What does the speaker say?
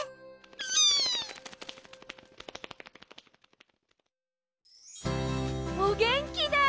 ピイ！おげんきで！